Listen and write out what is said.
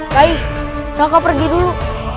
rai raka pergi dulu